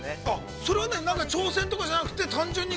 ◆それは挑戦とかじゃなくて単純に？